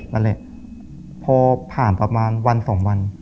นั่นแหละพอผ่านประมาณวันสองวัน